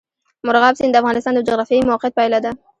مورغاب سیند د افغانستان د جغرافیایي موقیعت پایله ده.